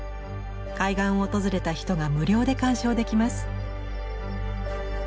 海岸を訪れた人が無料で鑑賞できます。